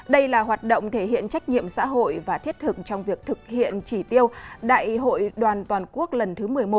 đây là hoạt động thể hiện trách nhiệm xã hội và thiết thực trong việc thực hiện chỉ tiêu đại hội đoàn toàn quốc lần thứ một mươi một